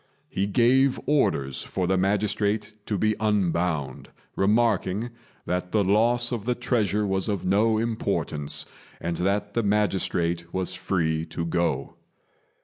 He gave orders for the magistrate to be unbound, remarking that the loss of the treasure was of no importance, and that the magistrate was free to go.